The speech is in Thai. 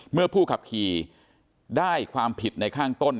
เมื่อผู้ขับขี่ได้ความผิดในข้างต้น